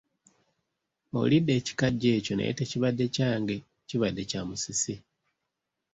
Olidde ekikajjo ekyo naye tekibadde kyange kibadde kya Musisi.